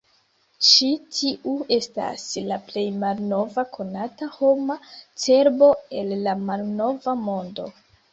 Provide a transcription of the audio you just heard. Ĉi tiu estas la plej malnova konata homa cerbo el la Malnova Mondo.